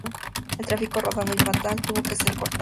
El tráfico rodado y peatonal tuvo que ser cortado.